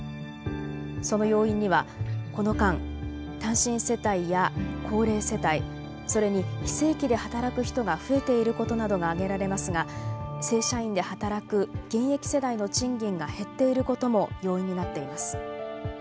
その要因にはこの間単身世帯や高齢世帯それに非正規で働く人が増えていることなどが挙げられますが正社員で働く現役世代の賃金が減っていることも要因になっています。